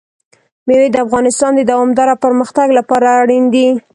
مېوې د افغانستان د دوامداره پرمختګ لپاره اړین دي.